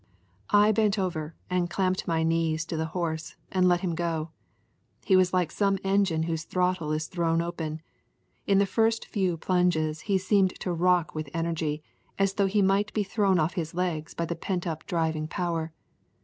I bent over and clamped my knees to the horse and let him go. He was like some engine whose throttle is thrown open. In the first few plunges he seemed to rock with energy, as though he might be thrown off his legs by the pent up driving power.